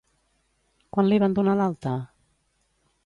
Quan li van donar l'alta?